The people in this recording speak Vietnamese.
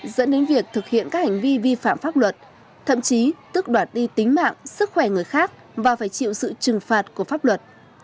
dẫn đến việc thực hiện các hành vi vi phạm pháp luật thậm chí tức đoạt đi tính mạng sức khỏe người khác và phải chịu sự trừng phạt của pháp luật